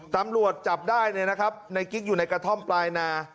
ตำรวจจับได้เนี่ยนะครับในกิ๊กอยู่ในกระท่อมปลายนา